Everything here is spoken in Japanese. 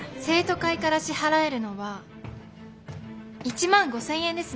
生徒会から支払えるのは１万５，０００円ですね。